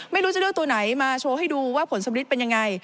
ไม่รู้จะเลือกตัวไหนมาโชว์ให้ดูว่าผลสำริดเป็นยังไง